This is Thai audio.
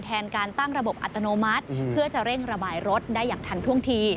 แทนการตั้งระบบอัตโนมัติเพื่อจะเร่งระบายรถได้อย่างทันท่วงที